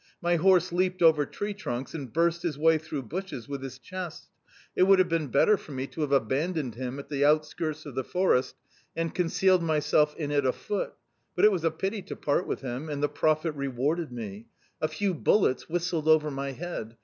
My horse leaped over tree trunks and burst his way through bushes with his chest! It would have been better for me to have abandoned him at the outskirts of the forest and concealed myself in it afoot, but it was a pity to part with him and the Prophet rewarded me. A few bullets whistled over my head.